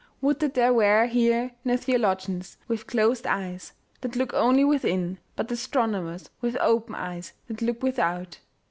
Would that there were here no theologians with closed eyes, that look only within, but astronomers with open eyes, that look without."